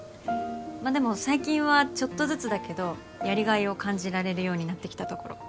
まあでも最近はちょっとずつだけどやりがいを感じられるようになってきたところ。